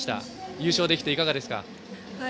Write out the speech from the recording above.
優勝できていかがですか。